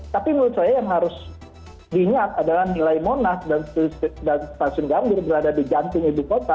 tapi menurut saya yang harus diingat adalah nilai monas dan stasiun gambir berada di jantung ibu kota